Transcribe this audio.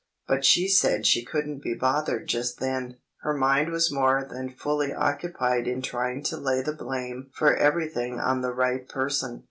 But she said she couldn't be bothered just then; her mind was more than fully occupied in trying to lay the blame for everything on the right person.